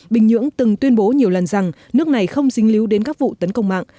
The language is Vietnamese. bình nhưỡng từng tuyên bố nhiều lần rằng nước này không dính líu đến các vụ tấn công mạng